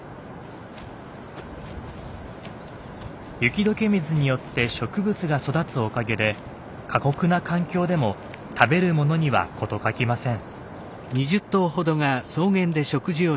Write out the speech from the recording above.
雪解け水によって植物が育つおかげで過酷な環境でも食べるものには事欠きません。